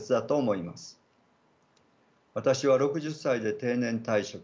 私は６０歳で定年退職。